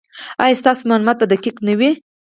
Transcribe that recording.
ایا ستاسو معلومات به دقیق نه وي؟